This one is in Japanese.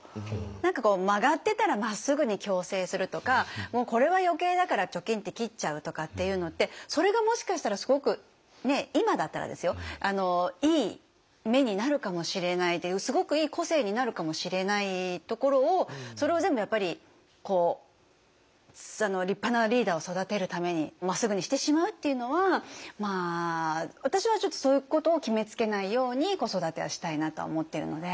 何かこう曲がってたらまっすぐに矯正するとかもうこれは余計だからチョキンって切っちゃうとかっていうのってそれがもしかしたらすごく今だったらですよいい芽になるかもしれないすごくいい個性になるかもしれないところをそれを全部立派なリーダーを育てるためにまっすぐにしてしまうっていうのは私はちょっとそういうことを決めつけないように子育てはしたいなと思っているので。